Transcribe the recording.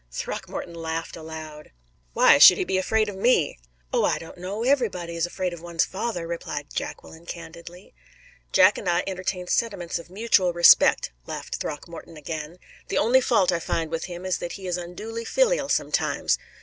Throckmorton laughed aloud. "Why should he be afraid of me?" "Oh, I don't know. Everybody is afraid of one's father," replied Jacqueline, candidly. "Jack and I entertain sentiments of mutual respect," laughed Throckmorton again. "The only fault I find with him is that he is unduly filial sometimes.